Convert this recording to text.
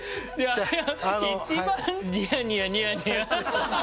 一番ニヤニヤニヤニヤ。